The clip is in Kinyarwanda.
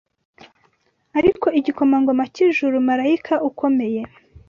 ariko igikomangoma cy’ijuru Malayika ukomeye